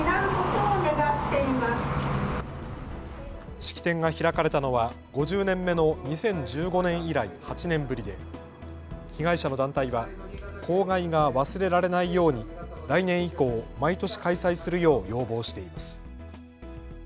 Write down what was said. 式典が開かれたのは５０年目の２０１５年以来８年ぶりで被害者の団体は公害が忘れられないように来年以降、毎年開催するよう要望しています。